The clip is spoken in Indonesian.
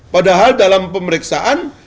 padahal dalam pemeriksaan